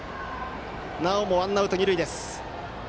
なおもワンアウト二塁です。